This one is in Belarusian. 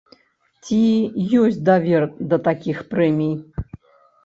Ці ёсць давер да такіх прэмій?